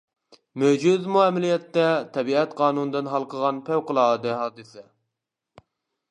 مۆجىزىمۇ ئەمەلىيەتتە تەبىئەت قانۇنىدىن ھالقىغان پەۋقۇلئاددە ھادىسە.